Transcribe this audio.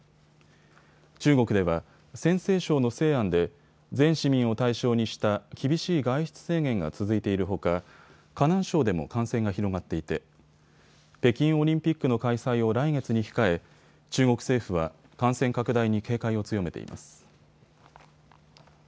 中国では陝西省の西安で全市民を対象にした厳しい外出制限が続いているほか河南省でも感染が広がっていて北京オリンピックの開催を来月に控え、中国政府は感染拡大に警戒を強めています。